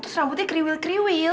terus rambutnya kriwil kriwil